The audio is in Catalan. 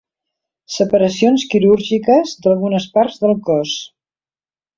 Separacions quirúrgiques d'algunes parts del cos.